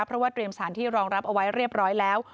เพราะว่าเตรียมสถานที่รองรับเอาไว้เรียบร้อยแล้ว